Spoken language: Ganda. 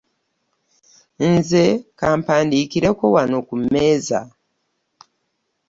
Nze kampandikireko wano ku mmeeza!